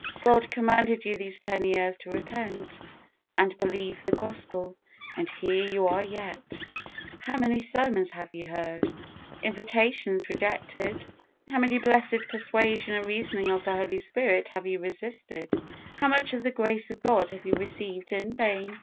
God commanded you these ten years to repent, and believe the Gospel, and here you are yet. How many sermons have you heard? invitations rejected? How much blessed persuasion and reasoning of the Holy Spirit have you resisted? how much of the grace of God have you received in vain?